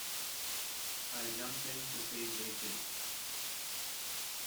I jumped in to save Rachel.